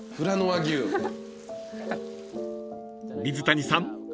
［水谷さん